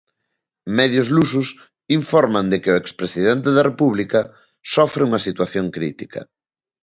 Medios lusos informan de que o ex presidente da República sofre unha situación crítica.